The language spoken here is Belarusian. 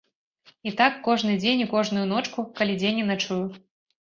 І так кожны дзень і кожную ночку, калі дзе не начую.